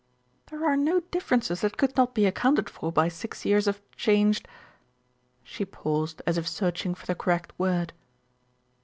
"There are no differences that could not be accounted for by six years of changed " she paused as if search ing for the correct word.